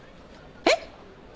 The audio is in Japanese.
えっ！